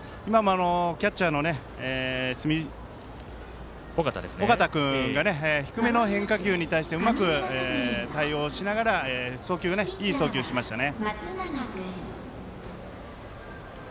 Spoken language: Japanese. キャッチャーの尾形君が低めの変化球に対してうまく対応しながらいい送球しましたね。